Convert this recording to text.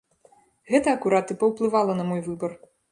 Гэта акурат і паўплывала на мой выбар.